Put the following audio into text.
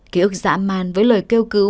ký ức dã man với lời kêu cứu